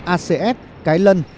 acs cái lân